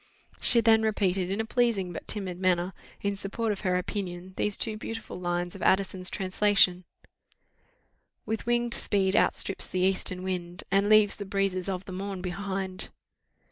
She then repeated, in a pleasing but timid manner, in support of her opinion, these two beautiful lines of Addison's translation: "With winged speed outstrips the eastern wind, And leaves the breezes of the morn behind."